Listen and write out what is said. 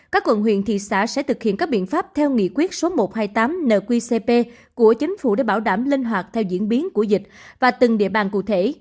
các quận huyện thị xã sẽ thực hiện các biện pháp theo nghị quyết số một trăm hai mươi tám nqcp của chính phủ để bảo đảm linh hoạt theo diễn biến của dịch và từng địa bàn cụ thể